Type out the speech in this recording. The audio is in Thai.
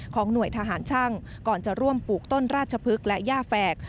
หน่วยทหารช่างก่อนจะร่วมปลูกต้นราชพฤกษ์และย่าแฝก